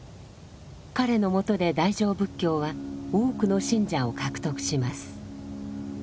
彼のもとで大乗仏教は多くの信者を獲得します。